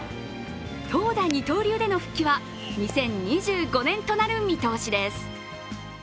投打二刀流での復帰は２０２５年となる見通しです